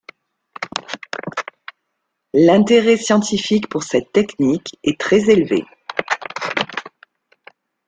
L'intérêt scientifique pour cette technique est très élevé.